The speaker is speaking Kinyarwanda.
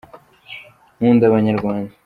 nkunda abanyarwanda